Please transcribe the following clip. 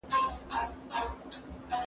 هغه د خپلو اقداماتو پایله وګټله.